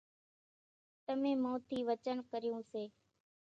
تمين مون ٿي وچن ڪريون سي